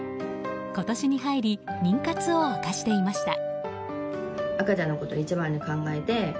今年に入り妊活を明かしていました。